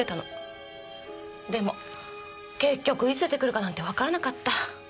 でも結局いつ出てくるかなんてわからなかった。